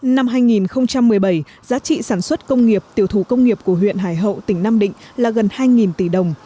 năm hai nghìn một mươi bảy giá trị sản xuất công nghiệp tiểu thủ công nghiệp của huyện hải hậu tỉnh nam định là gần hai tỷ đồng